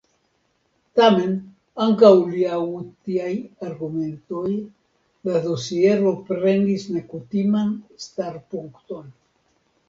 Tamen ankaŭ laŭ tiaj argumentoj la dosiero prenis nekutiman starpunkton.